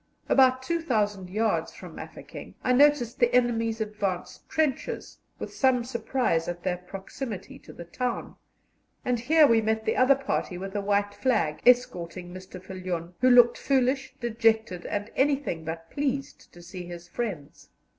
About 2,000 yards from Mafeking I noticed the enemy's advanced trenches, with some surprise at their proximity to the town; and here we met the other party with a white flag escorting Mr. Viljoen, who looked foolish, dejected, and anything but pleased to see his friends.